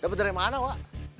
dapat dari mana pak